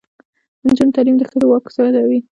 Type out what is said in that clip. د نجونو تعلیم د ښځو واک زیاتوي.